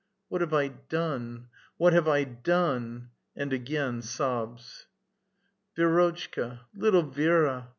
" What have I done ? What have I done ?" And again sobs. '' Vi^rotchka [Little Vi^ra]